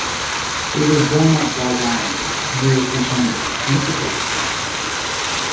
He was born at Valdagno, near Vicenza, in Italy.